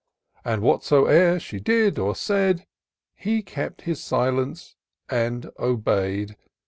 And, whatsoe'er she did or said. He kept his silence and obey'd.